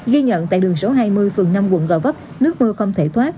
ghi nhận tại đường số hai mươi phường năm quận gò vấp nước mưa không thể thoát